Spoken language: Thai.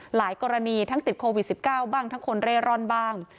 หลายกรณีทั้งติดโควิด๑๙บ้างทั้งคนเร่ร่อนบ้าง